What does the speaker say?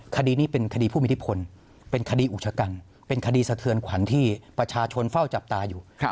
คดีนี้เป็นคดีผู้มีอิทธิพลเป็นคดีอุกชกันเป็นคดีสะเทือนขวัญที่ประชาชนเฝ้าจับตาอยู่